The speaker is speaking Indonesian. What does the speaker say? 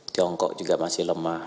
tiongkok juga masih lemah